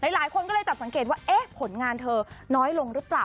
หลายคนก็เลยจับสังเกตว่าผลงานเธอน้อยลงหรือเปล่า